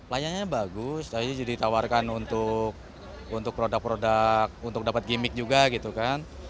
layangnya bagus jadi ditawarkan untuk produk produk untuk dapat gimmick juga gitu kan